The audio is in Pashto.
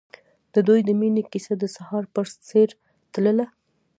د دوی د مینې کیسه د سهار په څېر تلله.